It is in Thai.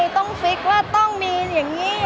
มันเป็นเรื่องน่ารักที่เวลาเจอกันเราต้องแซวอะไรอย่างเงี้ย